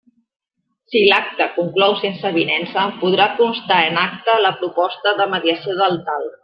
Si l'acte conclou sense avinença, podrà constar en acta la proposta de mediació del TAL.